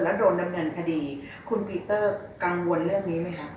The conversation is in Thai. แล้วโดนดำเนินคดีคุณปีเตอร์กังวลเรื่องนี้ไหมคะ